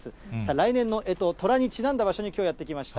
来年のえと、寅にちなんだ場所にきょうはやって来ました。